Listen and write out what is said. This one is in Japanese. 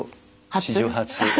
史上初。